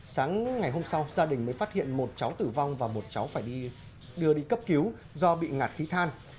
sáng ngày hôm sau gia đình mới phát hiện một cháu tử vong và một cháu phải đưa đi cấp cứu do bị ngạt khí than